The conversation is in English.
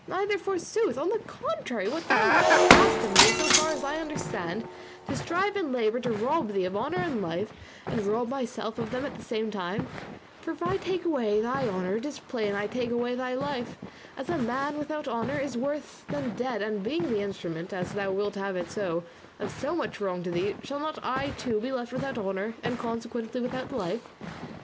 Neither forsooth; on the contrary, thou dost ask of me, so far as I understand, to strive and labour to rob thee of honour and life, and to rob myself of them at the same time; for if I take away thy honour it is plain I take away thy life, as a man without honour is worse than dead; and being the instrument, as thou wilt have it so, of so much wrong to thee, shall not I, too, be left without honour, and consequently without life?